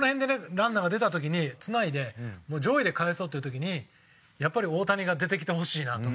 ランナーが出た時に繋いで上位でかえそうっていう時にやっぱり大谷が出てきてほしいなと。